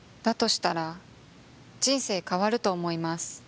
したら人生変わると思います